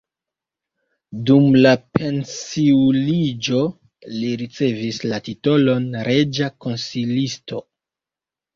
Dum la pensiuliĝo li ricevis la titolon reĝa konsilisto.